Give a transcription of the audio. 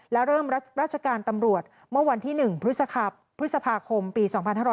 และเริ่มราชการตำรวจเมื่อวันที่๑พฤษภาคมปี๒๕๕๙